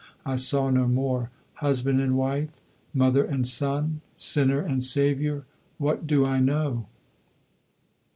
I saw no more. Husband and wife? Mother and son? Sinner and Saviour? What do I know?